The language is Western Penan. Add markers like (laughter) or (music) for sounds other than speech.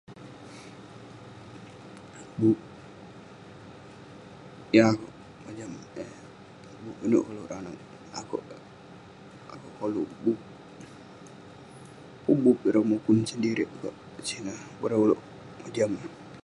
Yeng akuek mojam eh inuek koluk ireh anag kik akuek dak akuek koluk bok, pun bok ireh mukun sineh sediril kek (unintelligible) sineh bareng oluek mojam